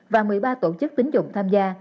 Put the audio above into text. và một mươi ba tổ chức tính dụng tham gia